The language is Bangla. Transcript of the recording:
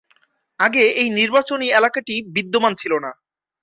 আগে এই নির্বাচনী এলাকাটি বিদ্যমান ছিল না।